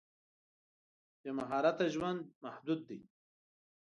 بې مهارت ژوند محدود دی.